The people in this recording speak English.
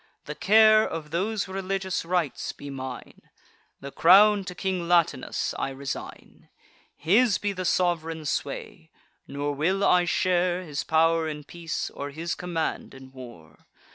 The care of those religious rites be mine; The crown to King Latinus I resign: His be the sov'reign sway. Nor will I share His pow'r in peace, or his command in war.